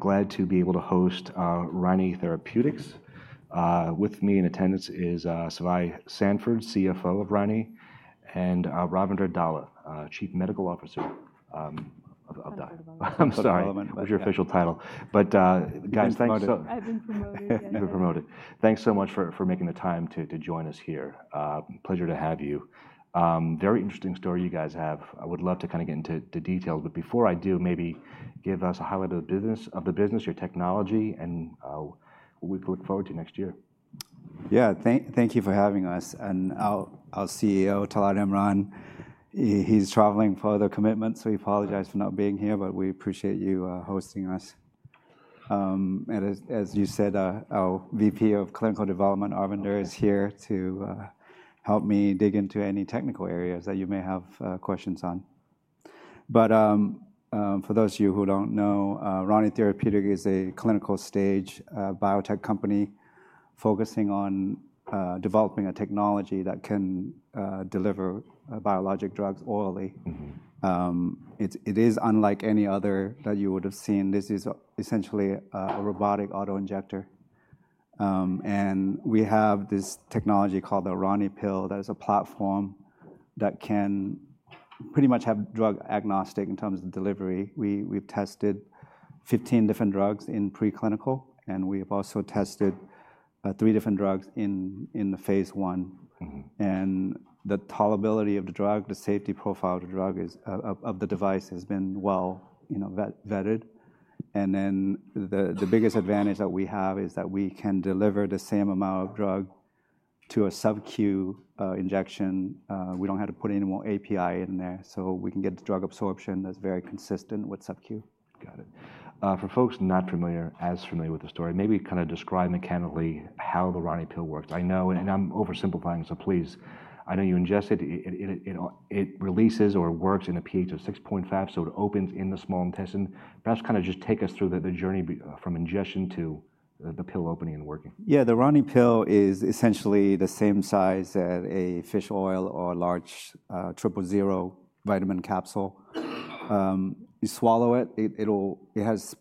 Glad to be able to host Rani Therapeutics. With me in attendance is Svai Sanford, CFO of Rani, and Arvinder Dhalla, Chief Medical Officer of Rani. I'm sorry, that was your official title. But guys, thanks so. I've been promoted. You've been promoted. Thanks so much for making the time to join us here. Pleasure to have you. Very interesting story you guys have. I would love to kind of get into details, but before I do, maybe give us a highlight of the business, your technology, and what we can look forward to next year. Yeah, thank you for having us. Our CEO, Talat Imran, he's traveling for other commitments, so he apologized for not being here, but we appreciate you hosting us. As you said, our VP of Clinical Development, Arvinder, is here to help me dig into any technical areas that you may have questions on. For those of you who don't know, Rani Therapeutics is a clinical stage biotech company focusing on developing a technology that can deliver biologic drugs orally. It is unlike any other that you would have seen. This is essentially a robotic autoinjector. We have this technology called the RaniPill. That is a platform that can pretty much have drug agnostic in terms of delivery. We've tested 15 different drugs in preclinical, and we've also tested three different drugs in phase one. The tolerability of the drug, the safety profile of the drug, of the device has been well vetted. The biggest advantage that we have is that we can deliver the same amount of drug to a sub-Q injection. We don't have to put any more API in there, so we can get drug absorption that's very consistent with sub-Q. Got it. For folks not as familiar with the story, maybe kind of describe mechanically how the RaniPill works. I know, and I'm oversimplifying, so please, I know you ingest it, it releases or works in a pH of 6.5, so it opens in the small intestine. Perhaps kind of just take us through the journey from ingestion to the pill opening and working. Yeah, the RaniPill is essentially the same size as a fish oil or a large triple zero vitamin capsule. You swallow it. It has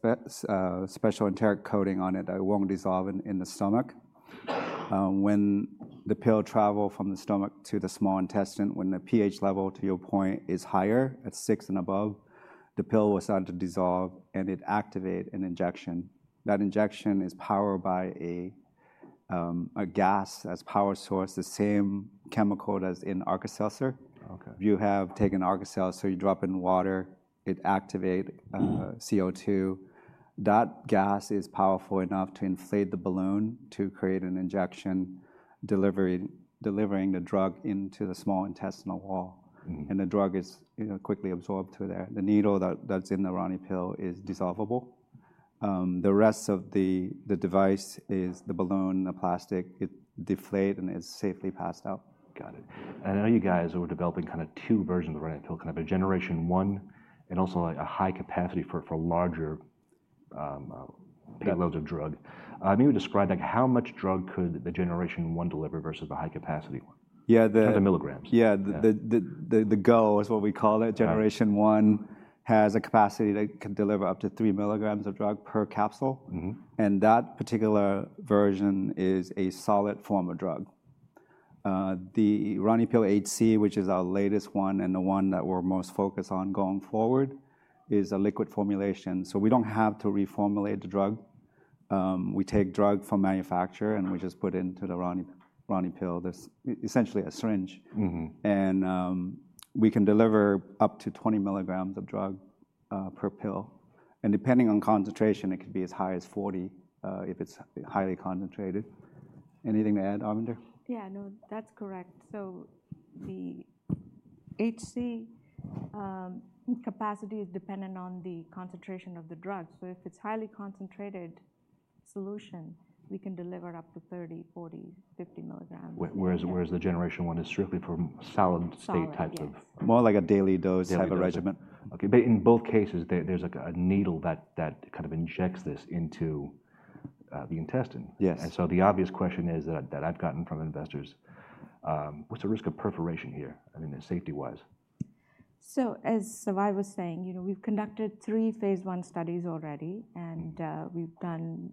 special enteric coating on it that won't dissolve in the stomach. When the pill travels from the stomach to the small intestine, when the pH level, to your point, is higher, at six and above, the pill will start to dissolve and it activates an injection. That injection is powered by a gas as a power source, the same chemical as in Alka-Seltzer. If you have taken Alka-Seltzer, you drop it in water, it activates CO2. That gas is powerful enough to inflate the balloon to create an injection delivering the drug into the small intestinal wall. The drug is quickly absorbed through there. The needle that's in the RaniPill is dissolvable. The rest of the device is the balloon, the plastic, it deflates and it's safely passed out. Got it, and I know you guys are developing kind of two versions of the RaniPill, kind of a generation one and also a high capacity for larger packages of drug. Maybe describe how much drug could the generation one deliver versus the high capacity one. Yeah, the. Kind of the milligrams. Yeah, the GO is what we call it. Generation one has a capacity that can deliver up to three milligrams of drug per capsule. And that particular version is a solid form of drug. The RaniPill HC, which is our latest one and the one that we're most focused on going forward, is a liquid formulation. So we don't have to reformulate the drug. We take drug from manufacturer and we just put it into the RaniPill. There's essentially a syringe. And we can deliver up to 20 milligrams of drug per pill. And depending on concentration, it could be as high as 40 if it's highly concentrated. Anything to add, Arvinder? Yeah, no, that's correct. So the HC capacity is dependent on the concentration of the drug. So if it's a highly concentrated solution, we can deliver up to 30, 40, 50 milligrams. Whereas the generation one is strictly for solid state types of. More like a daily dose type of regimen. Okay, but in both cases, there's a needle that kind of injects this into the intestine. Yes. And so the obvious question is that I've gotten from investors, what's the risk of perforation here? I mean, safety-wise. So as Svai was saying, we've conducted three phase one studies already, and we've done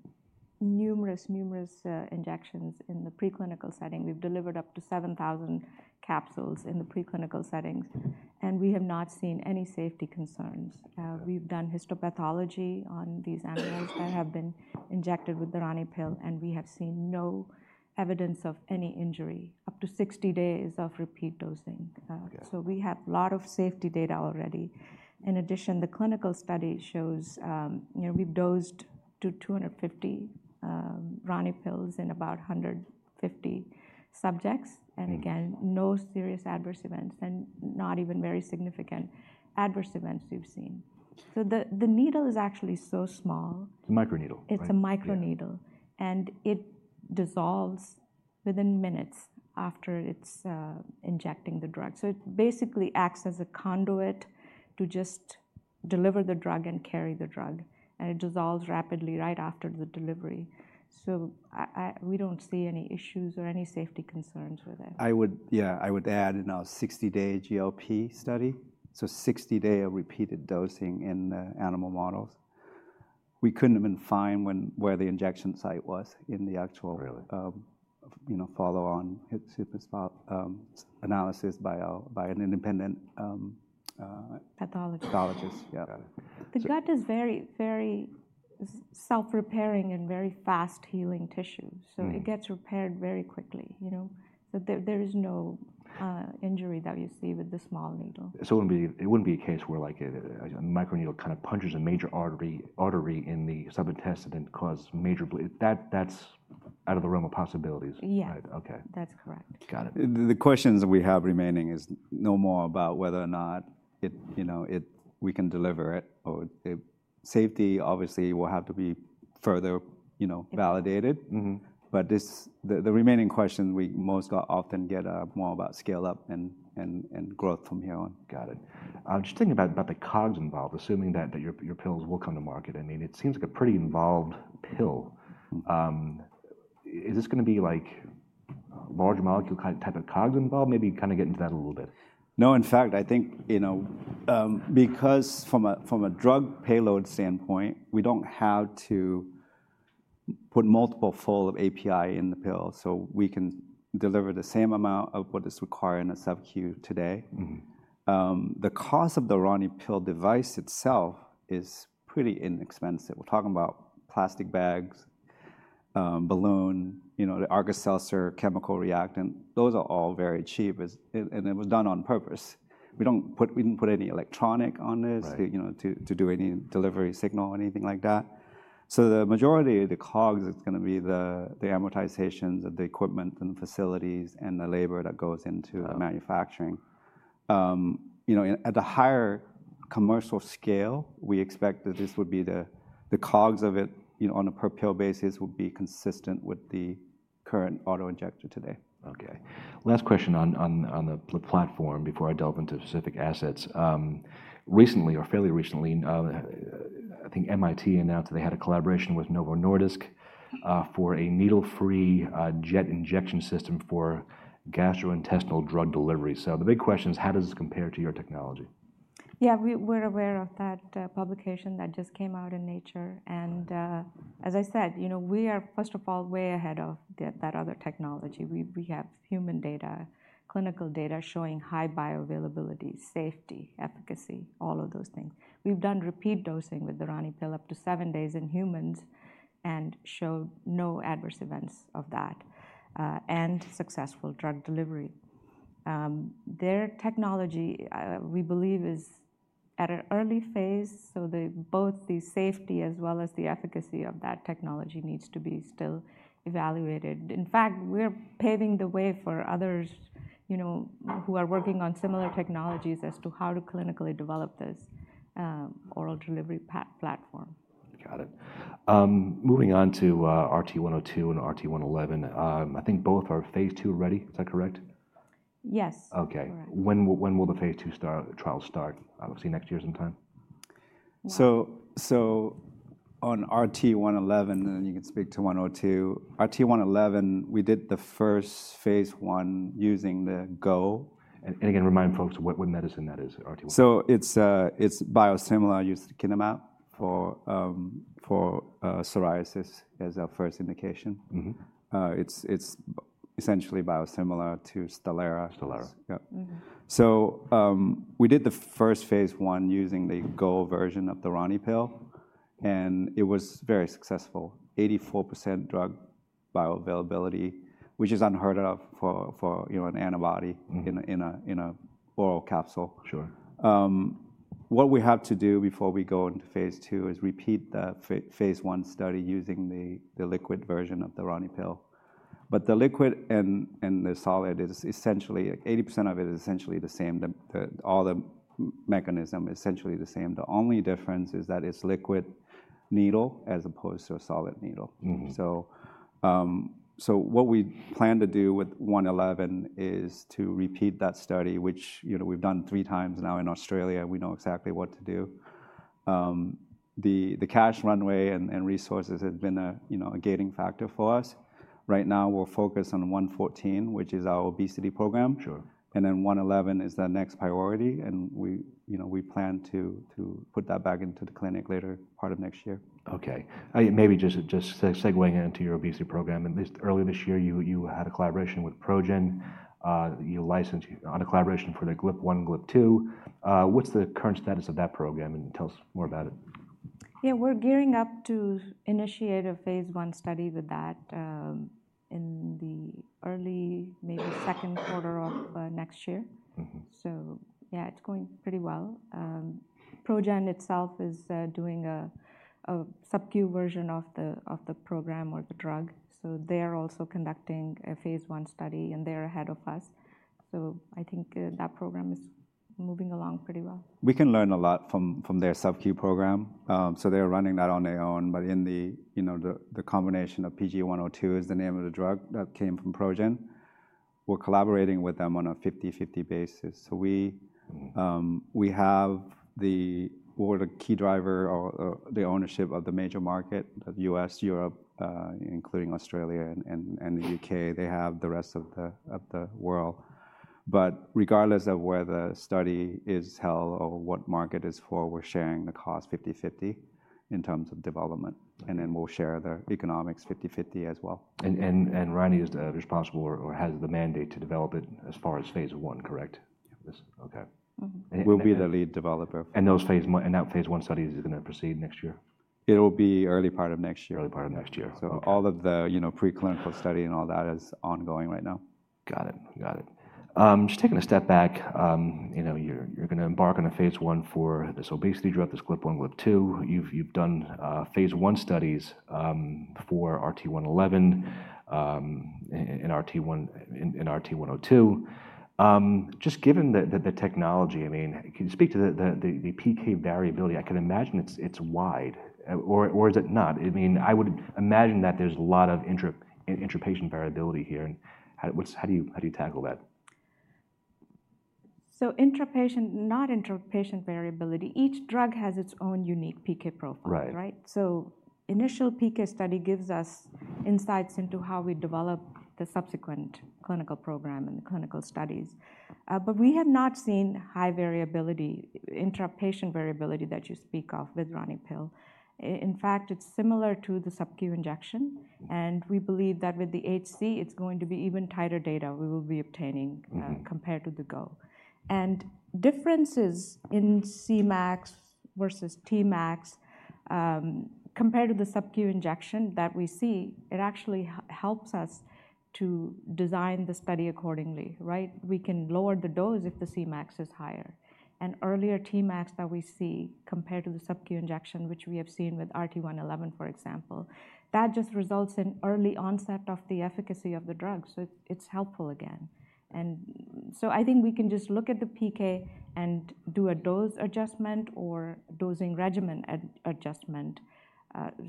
numerous, numerous injections in the preclinical setting. We've delivered up to 7,000 capsules in the preclinical settings. And we have not seen any safety concerns. We've done histopathology on these animals that have been injected with the RaniPill, and we have seen no evidence of any injury up to 60 days of repeat dosing. So we have a lot of safety data already. In addition, the clinical study shows we've dosed to 250 RaniPills in about 150 subjects. And again, no serious adverse events and not even very significant adverse events we've seen. So the needle is actually so small. It's a microneedle. It's a microneedle. And it dissolves within minutes after it's injecting the drug. So it basically acts as a conduit to just deliver the drug and carry the drug. And it dissolves rapidly right after the delivery. So we don't see any issues or any safety concerns with it. I would, yeah, I would add in our 60-day GLP study. So 60-day of repeated dosing in animal models. We couldn't even find where the injection site was in the actual follow-on analysis by an independent. Pathologist. Pathologist, yeah. The gut is very, very self-repairing and very fast healing tissue. So it gets repaired very quickly. So there is no injury that you see with the small needle. So it wouldn't be a case where, like, a microneedle kind of punches a major artery in the small intestine and causes major bleeding. That's out of the realm of possibilities. Yeah, that's correct. Got it. The questions we have remaining is no more about whether or not we can deliver it. Safety, obviously, will have to be further validated. But the remaining question we most often get are more about scale-up and growth from here on. Got it. Just thinking about the COGS involved, assuming that your pills will come to market, I mean, it seems like a pretty involved pill. Is this going to be like a large molecule type of COGS involved? Maybe kind of get into that a little bit. No, in fact, I think because from a drug payload standpoint, we don't have to put multiple folds of API in the pill. So we can deliver the same amount of what is required in a sub-Q today. The cost of the RaniPill device itself is pretty inexpensive. We're talking about plastic bags, balloon, the Alka-Seltzer chemical reactant. Those are all very cheap. And it was done on purpose. We didn't put any electronic on this to do any delivery signal or anything like that. So the majority of the COGS is going to be the amortizations of the equipment and the facilities and the labor that goes into the manufacturing. At the higher commercial scale, we expect that this would be the COGS of it on a per pill basis would be consistent with the current autoinjector today. Okay. Last question on the platform before I delve into specific assets. Recently, or fairly recently, I think MIT announced that they had a collaboration with Novo Nordisk for a needle-free jet injection system for gastrointestinal drug delivery. So the big question is, how does this compare to your technology? Yeah, we're aware of that publication that just came out in Nature. And as I said, we are, first of all, way ahead of that other technology. We have human data, clinical data showing high bioavailability, safety, efficacy, all of those things. We've done repeat dosing with the RaniPill up to seven days in humans and showed no adverse events of that and successful drug delivery. Their technology, we believe, is at an early phase. So both the safety as well as the efficacy of that technology needs to be still evaluated. In fact, we're paving the way for others who are working on similar technologies as to how to clinically develop this oral delivery platform. Got it. Moving on to RT-102 and RT-111. I think both are phase two ready. Is that correct? Yes. Okay. When will the phase two trial start? Obviously, next year sometime? So on RT-111, and then you can speak to 102. RT-111, we did the first phase one using the GO. Again, remind folks what medicine that is. It's biosimilar to ustekinumab for psoriasis as our first indication. It's essentially biosimilar to Stelara. Stelara. So we did the first phase one using the GO version of the RaniPill. And it was very successful. 84% drug bioavailability, which is unheard of for an antibody in an oral capsule. What we have to do before we go into phase 2 is repeat the phase one study using the liquid version of the RaniPill. But the liquid and the solid is essentially 80% of it is essentially the same. All the mechanism is essentially the same. The only difference is that it's liquid needle as opposed to a solid needle. So what we plan to do with RT-111 is to repeat that study, which we've done three times now in Australia. We know exactly what to do. The cash runway and resources have been a gating factor for us. Right now, we're focused on RT-114, which is our obesity program. And then 111 is the next priority. And we plan to put that back into the clinic later part of next year. Okay. Maybe just segueing into your obesity program. At least earlier this year, you had a collaboration with ProGen. You licensed on a collaboration for the GLP-1, GLP-2. What's the current status of that program? And tell us more about it. Yeah, we're gearing up to initiate a phase one study with that in the early, maybe second quarter of next year. So yeah, it's going pretty well. ProGen itself is doing a sub-Q version of the program or the drug. So they are also conducting a phase one study, and they're ahead of us. So I think that program is moving along pretty well. We can learn a lot from their sub-Q program, so they're running that on their own, but in the combination of PG-102 is the name of the drug that came from ProGen. We're collaborating with them on a 50-50 basis, so we have the key driver or the ownership of the major market, the U.S., Europe, including Australia and the U.K. They have the rest of the world, but regardless of where the study is held or what market it is for, we're sharing the cost 50-50 in terms of development, and then we'll share the economics 50-50 as well. Rani is responsible or has the mandate to develop it as far as phase one, correct? We'll be the lead developer. That phase 1 study is going to proceed next year? It'll be early part of next year. Early part of next year. All of the preclinical study and all that is ongoing right now. Got it. Got it. Just taking a step back, you're going to embark on a phase 1 for this obesity drug, this GLP-1, GLP-2. You've done phase 1 studies for RT-111 and RT-102. Just given the technology, I mean, can you speak to the PK variability? I can imagine it's wide. Or is it not? I mean, I would imagine that there's a lot of intrapatient variability here. How do you tackle that? Intrapatient, not interpatient variability. Each drug has its own unique PK profile, right? Initial PK study gives us insights into how we develop the subsequent clinical program and the clinical studies. We have not seen high variability, intrapatient variability that you speak of with RaniPill. In fact, it's similar to the sub-Q injection. We believe that with the HC, it's going to be even tighter data we will be obtaining compared to the GO. Differences in Cmax versus Tmax compared to the sub-Q injection that we see, it actually helps us to design the study accordingly, right? We can lower the dose if the Cmax is higher. Earlier Tmax that we see compared to the sub-Q injection, which we have seen with RT-111, for example, that just results in early onset of the efficacy of the drug. It's helpful again. And so I think we can just look at the PK and do a dose adjustment or dosing regimen adjustment.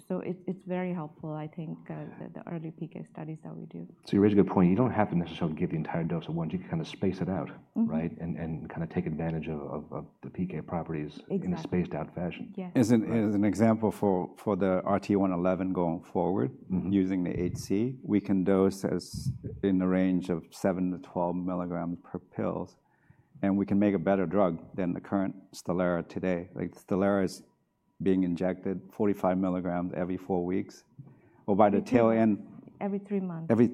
So it's very helpful, I think, the early PK studies that we do. So you raise a good point. You don't have to necessarily give the entire dose at once. You can kind of space it out, right? And kind of take advantage of the PK properties in a spaced-out fashion. As an example for the RT-111 going forward, using the HC, we can dose in the range of 7-12 milligrams per pill. And we can make a better drug than the current Stelara today. Stelara is being injected 45 milligrams every four weeks. Or by the tail end. Every three months. Every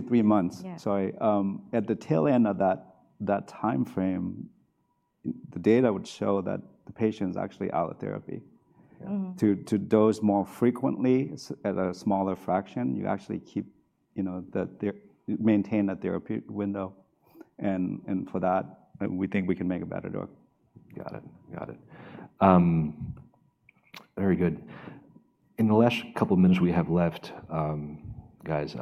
three months. So at the tail end of that time frame, the data would show that the patient is actually out of therapy. To dose more frequently at a smaller fraction, you actually maintain a therapeutic window. And for that, we think we can make a better drug. Got it. Got it. Very good. In the last couple of minutes we have left, guys,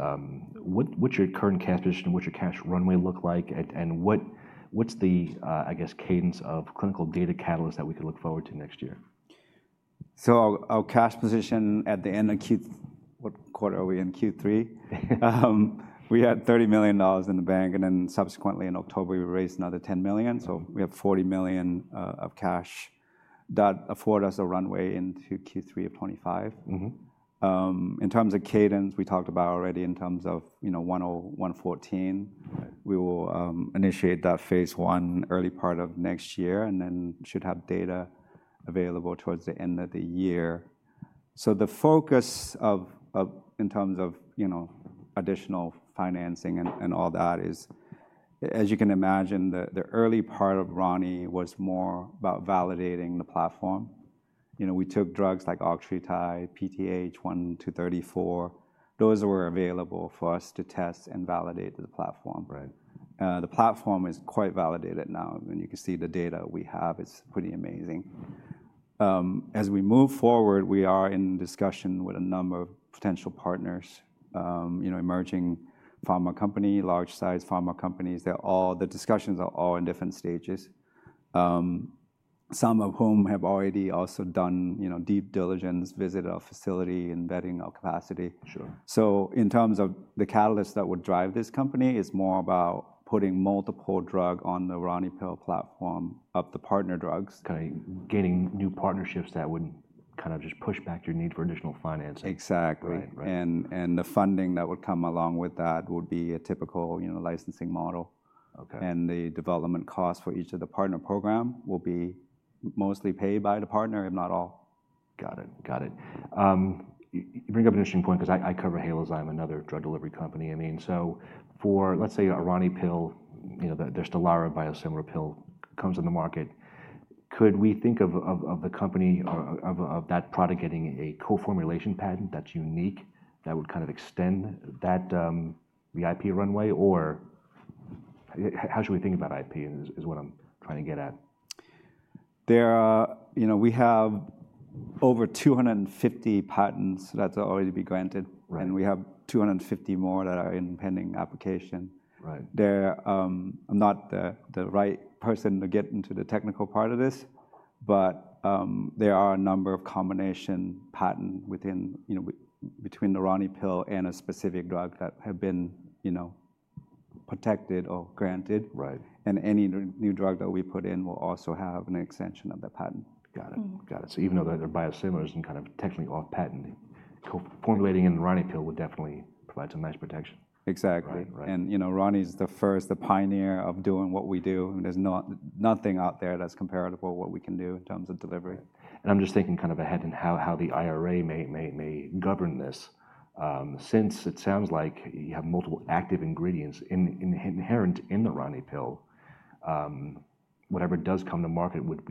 what's your current cash position? What's your cash runway look like? And what's the, I guess, cadence of clinical data catalysts that we can look forward to next year? So, our cash position at the end of Q—what quarter are we in? Q3?—we had $30 million in the bank. Then, subsequently, in October, we raised another $10 million. So we have $40 million of cash that affords us a runway into Q3 of 2025. In terms of cadence, we talked about already in terms of 114. We will initiate that phase one early part of next year and then should have data available towards the end of the year. So the focus in terms of additional financing and all that is, as you can imagine, the early part of Rani was more about validating the platform. We took drugs like octreotide, PTH 1-34. Those were available for us to test and validate the platform. The platform is quite validated now. And you can see the data we have. It's pretty amazing. As we move forward, we are in discussion with a number of potential partners, emerging pharma companies, large-sized pharma companies. The discussions are all in different stages, some of whom have already also done due diligence, visited our facility, and vetting our capacity. So in terms of the catalyst that would drive this company, it's more about putting multiple drugs on the RaniPill platform of the partner drugs. Gaining new partnerships that would kind of just push back your need for additional financing. Exactly. And the funding that would come along with that would be a typical licensing model. And the development costs for each of the partner programs will be mostly paid by the partner, if not all. Got it. Got it. You bring up an interesting point because I cover Halozyme. I'm another drug delivery company. I mean, so for, let's say, a RaniPill, there's Stelara biosimilar pill comes on the market. Could we think of the company of that product getting a co-formulation patent that's unique that would kind of extend that IP runway? Or how should we think about IP is what I'm trying to get at? We have over 250 patents that have already been granted. And we have 250 more that are in pending application. I'm not the right person to get into the technical part of this. But there are a number of combination patents between the RaniPill and a specific drug that have been protected or granted. And any new drug that we put in will also have an extension of the patent. Got it. Got it. So even though they're biosimilars and kind of technically off-patent, co-formulating in the RaniPill would definitely provide some nice protection. Exactly. And Rani is the first, the pioneer of doing what we do. There's nothing out there that's comparable to what we can do in terms of delivery. I'm just thinking kind of ahead and how the IRA may govern this. Since it sounds like you have multiple active ingredients inherent in the RaniPill, whatever does come to market would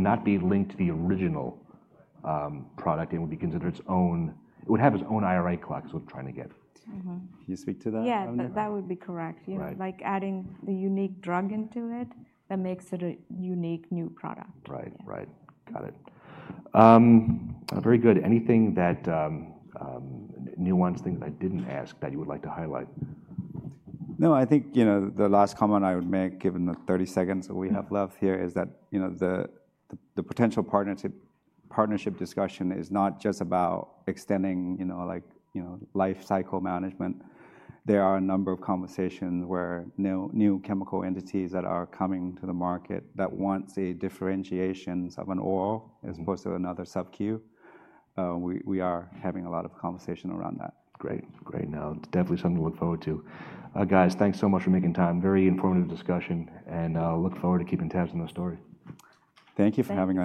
not be linked to the original product and would be considered its own. It would have its own IRA clock, is what I'm trying to get. Can you speak to that? Yeah, that would be correct. Like adding the unique drug into it that makes it a unique new product. Right. Right. Got it. Very good. Anything that nuanced things I didn't ask that you would like to highlight? No, I think the last comment I would make, given the 30 seconds that we have left here, is that the potential partnership discussion is not just about extending life cycle management. There are a number of conversations where new chemical entities that are coming to the market that want the differentiations of an oral as opposed to another sub-Q. We are having a lot of conversation around that. Great. Great. Now, definitely something to look forward to. Guys, thanks so much for making time. Very informative discussion. I'll look forward to keeping tabs on those stories. Thank you for having us.